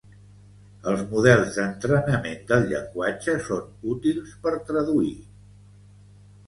Els models d'entrenament del llenguatge són útils per traduir.